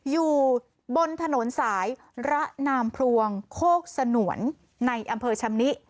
อยู่บนถนนสายระนามพรวงโคกสนวนในอำเภอชำนิ